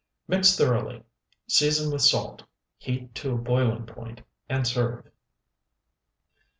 Mix thoroughly, season with salt, heat to a boiling point, and serve.